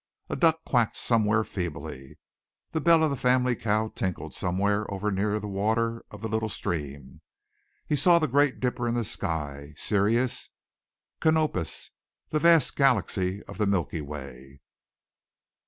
A duck quacked somewhere feebly. The bell of the family cow tinkled somewhere over near the water of the little stream. He saw the great dipper in the sky, Sirius, Canopus, the vast galaxy of the Milky Way.